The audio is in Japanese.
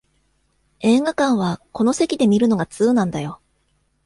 映画館はこの席で観るのが通なんだよ